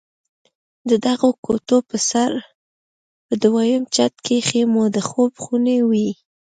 د دغو کوټو پر سر په دويم چت کښې مو د خوب خونې وې.